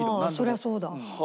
そりゃそうだ。